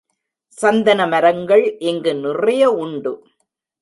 சந்தன மரங்கள் இங்கு நிறைய உண்டு.